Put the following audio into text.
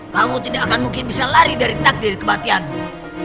kamu tidak akan mungkin bisa lari dari takdir kebatianmu